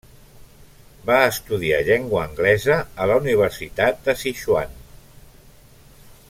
Va estudiar llengua anglesa a la Universitat de Sichuan.